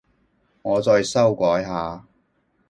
我再修改下